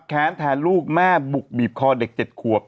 แค้นแทนลูกแม่บุกบีบคอเด็ก๗ขวบ